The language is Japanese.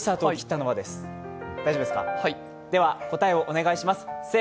答えをお願いします。